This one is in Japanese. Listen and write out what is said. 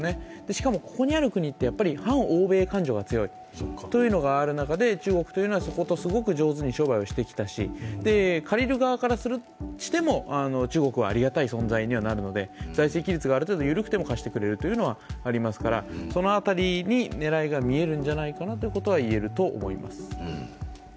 しかも、ここにある国って反欧米感情が強いという中で、中国というのはそことすごく上手に商売をしてきたし、借りる側からしても、中国はありがたい存在にはなるので財政規律がある程度緩くても貸してくれるというのはありますからその辺りに狙いが見えるんじゃないかなということは言えると思います。